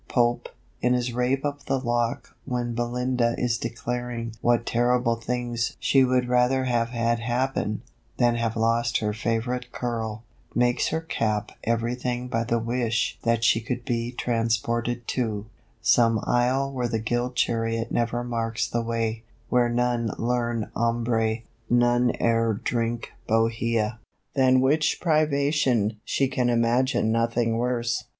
Pope, in his "Rape of the Lock," when Belinda is declaring what terrible things she would rather have had happen, than have lost her favourite curl, makes her cap everything by the wish that she could be transported to "Some isle Where the gilt chariot never marks the way, Where none learn ombre, none e'er drink Bohea," than which privation she can imagine nothing worse.